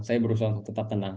saya berusaha untuk tetap tenang